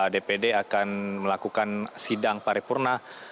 dpd akan melakukan sidang paripurna